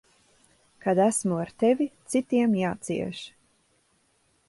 Kad esmu ar tevi, citiem jācieš.